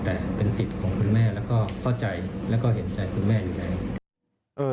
แต่เป็นสิทธิ์ของคุณแม่แล้วก็เข้าใจแล้วก็เห็นใจคุณแม่อยู่แล้ว